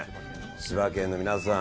千葉県の皆さん